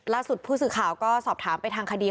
ล่าสุดผู้สื่อข่าวก็สอบถามไปทางคดี